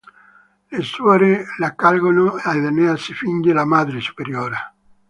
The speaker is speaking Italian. Le suore l'accolgono ed Enea si finge la madre superiora.